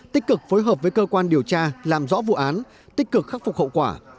tích cực phối hợp với cơ quan điều tra làm rõ vụ án tích cực khắc phục hậu quả